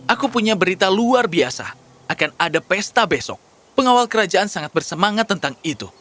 aku punya berita luar biasa akan ada pesta besok pengawal kerajaan sangat bersemangat tentang itu